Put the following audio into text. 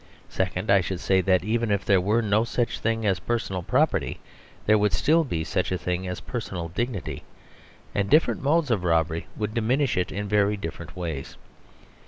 Second, I should say that even if there were no such thing as personal property, there would still be such a thing as personal dignity, and different modes of robbery would diminish it in very different ways.